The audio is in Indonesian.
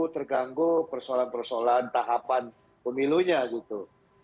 terganggu persoalan persoalan tahapan pemilunya gitu